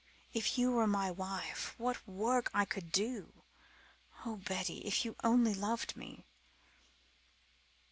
If you were my wife, what work I could do! Oh, Betty, if you only loved me!"